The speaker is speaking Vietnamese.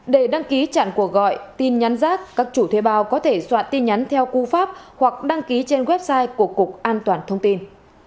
để đăng ký chặn cuộc gọi tin nhắn rác các chủ thuê bao có thể soạn tin nhắn theo cú pháp hoặc đăng ký trên website của cục an toàn thông tin